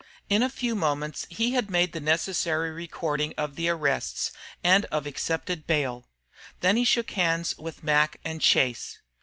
In a few moments he had made the necessary recording of the arrests and of accepted bail. Then he shook hands with Mac and Chase.